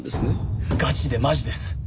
ガチでマジです！